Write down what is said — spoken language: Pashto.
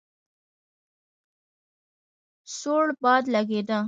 سوړ باد لګېده.